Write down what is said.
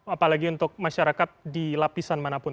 apalagi untuk masyarakat di lapisan manapun